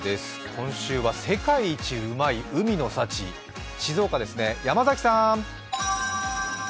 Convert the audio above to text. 今週は世界一うまい海の幸、静岡ですね。